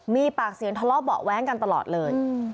มีปากเสียงทะเลาะเบาะแว้งกันตลอดเลย